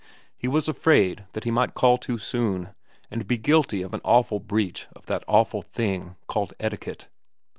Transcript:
He was afraid that he might call too soon, and so be guilty of an awful breach of that awful thing called etiquette.